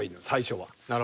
最初は。